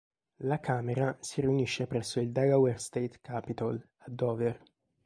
La Camera si riunisce presso il Delaware State Capitol, a Dover.